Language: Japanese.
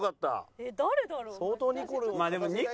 えっ誰だろう？